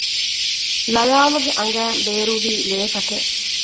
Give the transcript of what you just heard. ލަޔާލުގެ އަނގައިން ބޭރުވީ ލޭތަކެއް